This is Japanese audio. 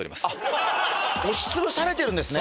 あっ押しつぶされてるんですね